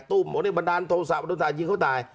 ตุ้มบอกว่านี่บันดาลโทรศะบันดาลจริงเขาตาย